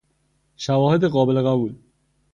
شواهد قابل قبول